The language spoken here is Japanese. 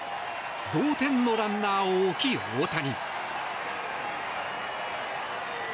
同点のランナーを置き、大谷。